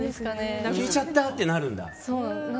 聞いちゃったってなるんだ。